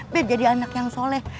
bet jadi anak yang soleh